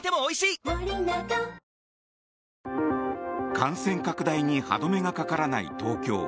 感染拡大に歯止めがかからない東京。